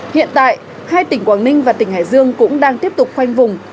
hiện tại hai tỉnh quảng ninh và tỉnh hải dương cũng đang tiếp tục khoanh vùng